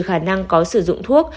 khả năng có sử dụng thuốc